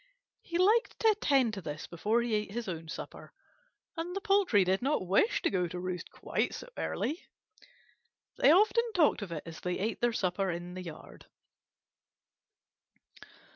He liked to attend to this before he ate his own supper, and the poultry did not wish to go to roost quite so early. They often talked of it as they ate their supper in the yard.